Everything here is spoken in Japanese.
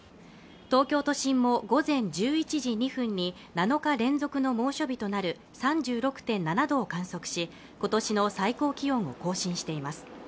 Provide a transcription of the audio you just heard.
東京都心も午前１１時２分に７日連続の猛暑日となる３６．７度を観測し今年の最高気温を更新しています